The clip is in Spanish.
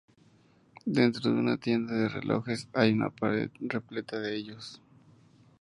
Dentro de una tienda de Relojes hay una pared repleta de ellos.